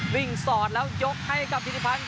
วิ่งสอดแล้วยกให้กับฮิษภัณฑ์